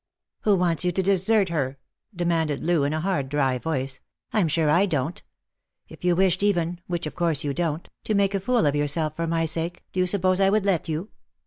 " Who wants you to desert her ?" demanded Loo, in a hard dry voice. " I'm sure I don't. If you wished even — which of course you don't — to make a fool of yourself for my sake, do you suppose I would let you